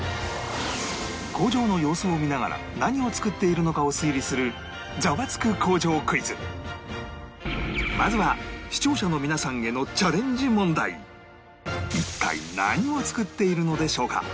工場の様子を見ながら何を作っているのかを推理するまずは視聴者の皆さんへの一体何を作っているのでしょうか？